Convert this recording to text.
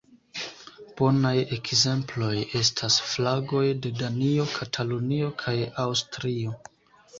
Bonaj ekzemploj estas flagoj de Danio, Katalunio kaj Aŭstrio.